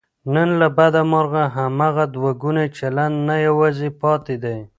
نن له بده مرغه، هماغه دوهګونی چلند نه یوازې پاتې دی